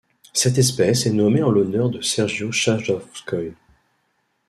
Cette espèce est nommée en l'honneur de Sergio Schajovskoy.